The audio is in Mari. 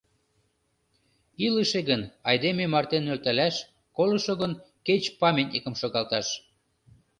Илыше гын — айдеме марте нӧлталаш, колышо гын — кеч памятникым шогалташ.